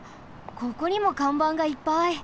ここにもかんばんがいっぱい！